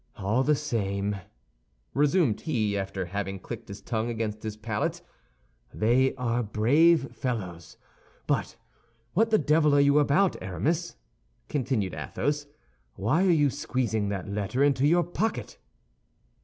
All the same," resumed he, after having clicked his tongue against his palate, "they are brave fellows! But what the devil are you about, Aramis?" continued Athos. "Why, you are squeezing that letter into your pocket!"